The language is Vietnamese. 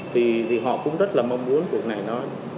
thì họ cũng rất là mong muốn vụ này nói